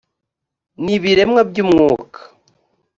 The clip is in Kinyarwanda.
n ibiremwa by umwuka